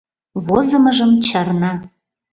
Возымыжым чарна.